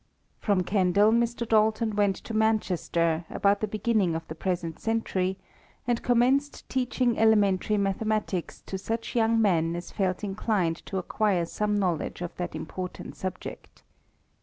From Kendal Mr. Dalton went to Manchester, about the beginning of the present century, and commenced teaching elementary ma thematics to such young men as felt inclined to acquire some knowledge of that important subject.